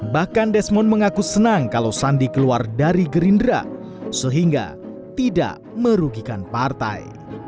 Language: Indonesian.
bahkan desmond mengaku senang kalau sandi keluar dari gerindra sehingga tidak merugikan partai